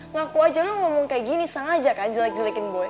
ngaku aja lu ngomong kayak gini sengaja kan jelek jelekin gue